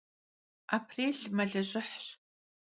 Aprêl melıjıhş.